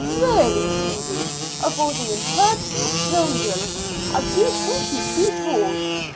"Really, Susy, of all the impertinent children, I do think you beat all.